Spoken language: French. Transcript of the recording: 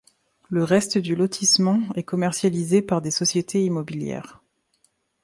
Le reste du lotissement est commercialisé par des sociétés immobilières.